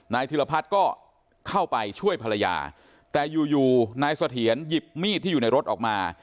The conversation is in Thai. ธิรพัฒน์ก็เข้าไปช่วยภรรยาแต่อยู่อยู่นายเสถียรหยิบมีดที่อยู่ในรถออกมา